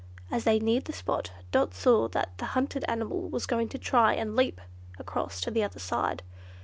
As they neared the spot, Dot saw that the hunted animal was going to try and leap across to the other side.